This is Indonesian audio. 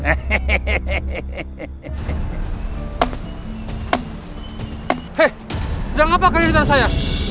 hei sedang apa kalian ditaruh saya